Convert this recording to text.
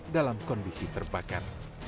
dalam kondisi terbakar